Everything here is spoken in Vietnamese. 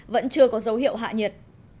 vẫn chưa có dấu hiệu hạ nhiệt